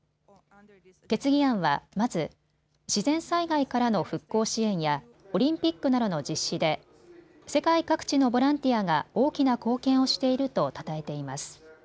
決議案は、まず自然災害からの復興支援やオリンピックなどの実施で世界各地のボランティアが大きな貢献をしているとたたえています。